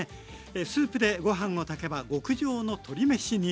スープでご飯を炊けば極上の鶏めしに。